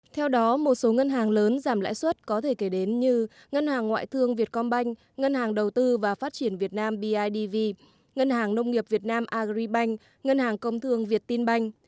theo đó một số ngân hàng lớn giảm lãi suất có thể kể đến như ngân hàng ngoại thương việt công banh ngân hàng đầu tư và phát triển việt nam bidv ngân hàng nông nghiệp việt nam agribank ngân hàng công thương việt tin banh